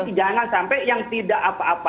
jangan sampai yang tidak apa apa